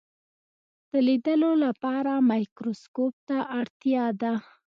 د لیدلو لپاره مایکروسکوپ ته اړتیا ده.